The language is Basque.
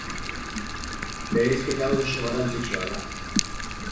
Bereizketa hau oso garrantzitsua da.